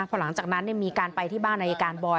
พอหลังจากนั้นมีการไปที่บ้านอายการบอย